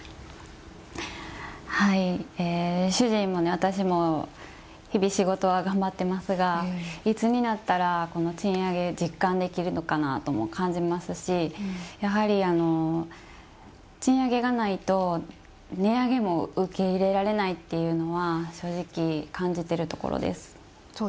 主人も私も日々、仕事は頑張っていますがいつになったら、賃上げ実感できるのかなとも感じますしやはり賃上げがないと値上げも受け入れられないっていうのは正直、感じてるところです。